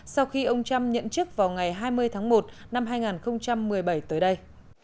sau khi ông trump nhậm chức vào ngày hai mươi tháng một năm hai nghìn một mươi bảy tới đây